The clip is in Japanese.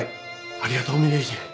ありがとう峯岸。